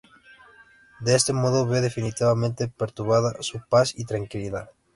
De este modo ve definitivamente perturbada su paz y tranquilidad.